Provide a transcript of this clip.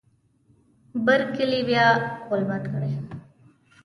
بر کلي بیا غول باد کړی.